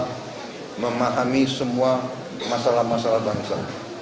kita memahami semua masalah masalah bangsa